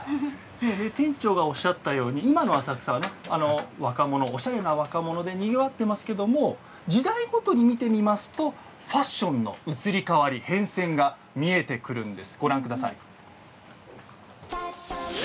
店長がおっしゃったように今の浅草はおしゃれな若者でにぎわっていますけど時代ごとに見てみますとファッションの移り変わり変遷が見えてくるんです。